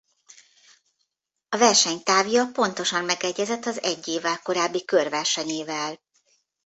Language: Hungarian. A verseny távja pontosan megegyezett az egy évvel korábbi körversenyével.